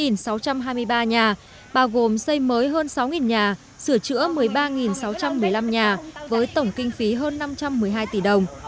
một sáu trăm hai mươi ba nhà bao gồm xây mới hơn sáu nhà sửa chữa một mươi ba sáu trăm một mươi năm nhà với tổng kinh phí hơn năm trăm một mươi hai tỷ đồng